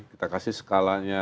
kita kasih skalanya